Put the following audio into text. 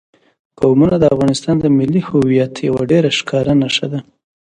قومونه د افغانستان د ملي هویت یوه ډېره ښکاره نښه ده.